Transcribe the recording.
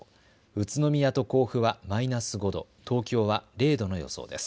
宇都宮と甲府はマイナス５度東京は０度の予想です。